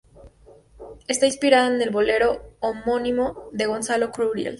Está inspirada en el bolero homónimo de Gonzalo Curiel.